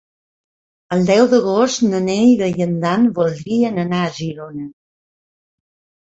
El deu d'agost na Neida i en Dan voldrien anar a Girona.